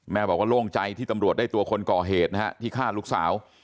บอกว่าโล่งใจที่ตำรวจได้ตัวคนก่อเหตุนะฮะที่ฆ่าลูกสาว